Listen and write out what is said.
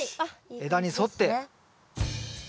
枝に沿って。